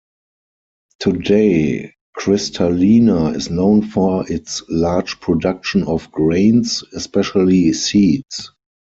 Today Cristalina is known for its large production of grains, especially seeds.